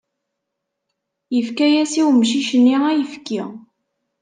Yefka-as i umcic-nni ayefki.